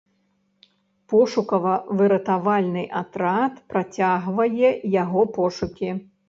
Пошукава-выратавальны атрад працягвае яго пошукі.